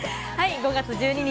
５月１２日